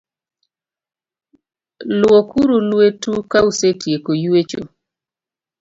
Lwok uru lwet u ka usetieko ywecho